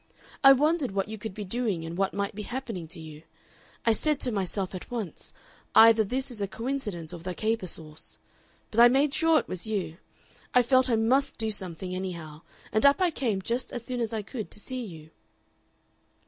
I wondered what you could be doing and what might be happening to you. I said to myself at once, 'Either this is a coincidence or the caper sauce.' But I made sure it was you. I felt I MUST do something anyhow, and up I came just as soon as I could to see you."